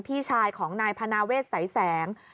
พี่ชายของนายพนาเวทสายแสง